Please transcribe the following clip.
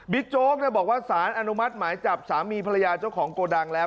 โจ๊กบอกว่าสารอนุมัติหมายจับสามีภรรยาเจ้าของโกดังแล้ว